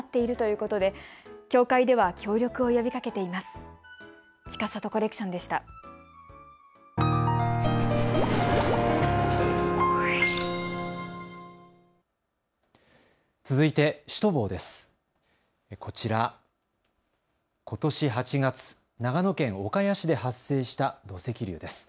こちら、ことし８月、長野県岡谷市で発生した土石流です。